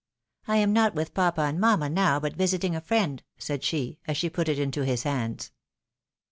" I am not with papa and mamma now, but visiting a friend," said she, as she put it into his hands.